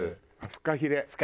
フカヒレ？